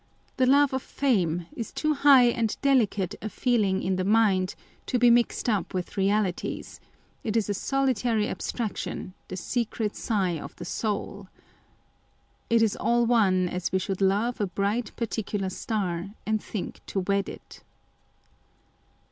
The love of fame is too high and delicate a feeling in the mind to be mixed up with realities â€" it is a solitary abstraction, the secret sigh of the soul â€" It is all one as we should love A bright particular star, and think to wed it.